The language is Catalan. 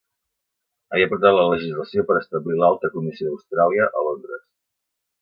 Havia portat la legislació per establir l'Alta Comissió d'Austràlia a Londres.